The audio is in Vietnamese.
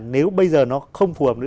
nếu bây giờ nó